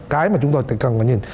cái mà chúng ta cần phải nhìn